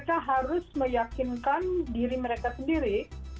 sehingga mereka harus meyakinkan